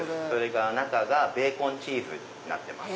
中がベーコンチーズになってます。